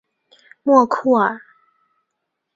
莫库尔。